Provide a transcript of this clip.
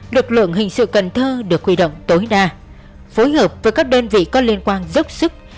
lực lượng hình sự cần thơ được huy động tối đa phối hợp với các đơn vị có liên quan dốc sức